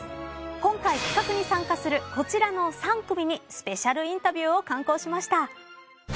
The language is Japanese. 今回企画に参加するこちらの３組にスペシャルインタビューを敢行しました。